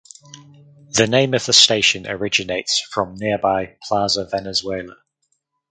The name of the station originates from nearby Plaza Venezuela.